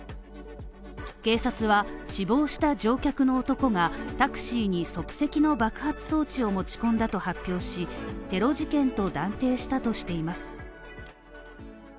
警察は死亡した乗客の男がタクシーに即席の爆発装置を持ち込んだと発表し、テロ事件と断定しています。